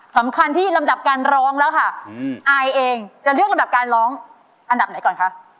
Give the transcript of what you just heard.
สำคัญที่ลำดับการร้องแล้วค่ะอายเองจะเลือกลำดับการร้องอันดับไหนก่อนคะ